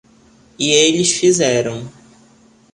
E eles fizeram.